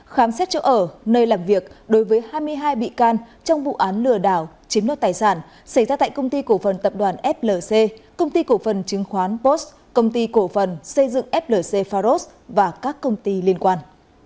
khám xét chỗ ở nơi làm việc đối với hai mươi hai bị can trong vụ án lừa đảo chiếm đoạt tài sản xảy ra tại công ty cổ phần tập đoàn flc công ty cổ phần chứng khoán post công ty cổ phần xây dựng flc pharos và các công ty liên quan